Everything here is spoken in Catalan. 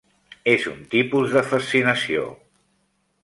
És un tipus de fascinació.